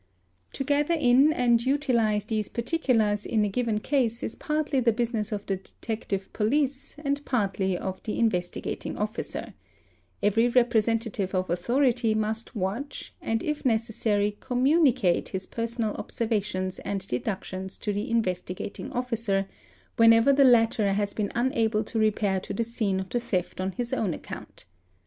| To gather in and utilise these particulars in a given case is partly the _ business of the detective police and partly of the Investigating Officer; —| every representative of authority must watch, and if necessary com | municate his personal observations and deductions to the Investigating ' Officer, whenever the latter has been unable to repair to the scene of the theft on his own account.